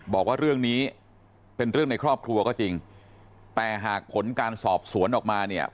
บอกว่าเรื่องนี้เป็นเรื่องในครอบครัวก็จริงแต่หากผลการสอบสวนออกมาเนี่ย